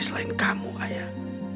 selain kamu ayah